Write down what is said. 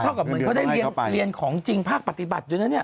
บอกว่าก็เขาจะได้เรียนของจริงภาคปฏิบัติอยู่เนี่ย